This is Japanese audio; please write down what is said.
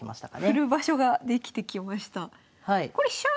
振る場所ができてきました。